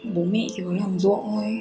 bố mẹ thì có làm ruộng thôi